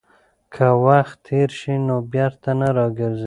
که وخت تېر شي نو بېرته نه راګرځي.